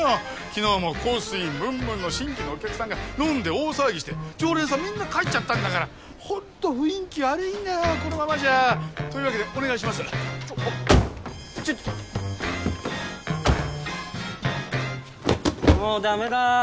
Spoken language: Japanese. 昨日も香水ムンムンの新規のお客さんが飲んで大騒ぎして常連さんみんな帰っちゃったんだからホント雰囲気悪いんだよこのままじゃというわけでお願いしますちょっちょっともうダメだー